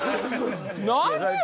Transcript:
何よ！